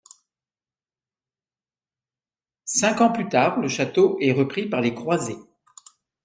Cinq ans plus tard le château est repris par les croisés.